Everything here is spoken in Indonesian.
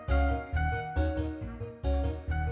aku mau pergi